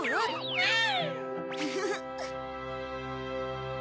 うん。